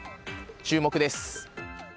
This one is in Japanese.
注目です。